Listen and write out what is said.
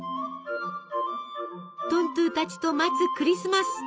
トントゥたちと待つクリスマス。